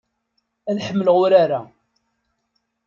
Ad ḥemmleɣ urar-a.